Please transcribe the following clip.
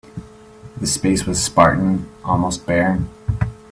The space was spartan, almost bare.